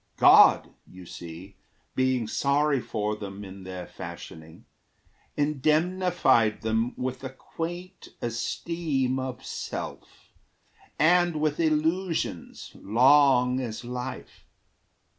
God, you see, Being sorry for them in their fashioning, Indemnified them with a quaint esteem Of self, and with illusions long as life.